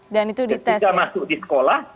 ketika masuk di sekolah